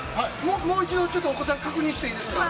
もう一度お子さんに確認していいですか。